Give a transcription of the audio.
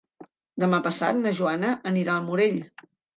Demà passat na Joana anirà al Morell.